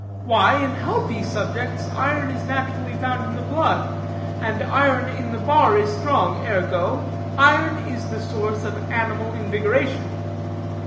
Why, in healthy subjects iron is naturally found in the blood, and iron in the bar is strong; ergo, iron is the source of animal invigoration.